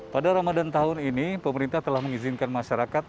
pada ramadan tahun ini pemerintah telah mengizinkan masyarakat